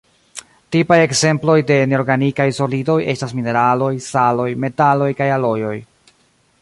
Tipaj ekzemploj de neorganikaj solidoj estas mineraloj, saloj, metaloj kaj alojoj.